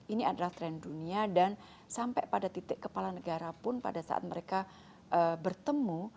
ini adalah tren dunia dan sampai pada titik kepala negara pun pada saat mereka bertemu